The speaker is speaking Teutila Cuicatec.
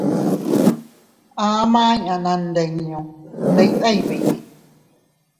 A maʼa inña naandinñu ndibeʼey biʼi.